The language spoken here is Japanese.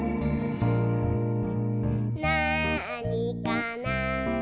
「なあにかな？」